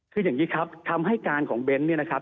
คืออย่างนี้ครับคำให้การของเบ้นเนี่ยนะครับ